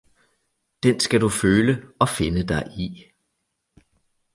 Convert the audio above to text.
Den skal du føle og finde dig i